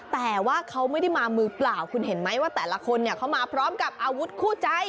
แต่ว่าเขาไม่ได้มามือเปล่าคุณเห็นไหมว่าแต่ละคนเนี่ยเขามาพร้อมกับอาวุธคู่ใจ